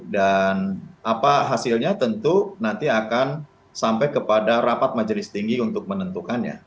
dan apa hasilnya tentu nanti akan sampai kepada rapat majelis tinggi untuk menentukannya